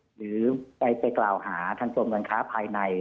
หรือไปกล่าวหาทางกรมการค้าภายใน